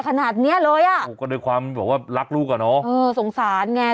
ขนาดเนี้ยเลยอ่ะโอ้ก็ด้วยความแบบว่ารักลูกอ่ะเนอะเออสงสารไง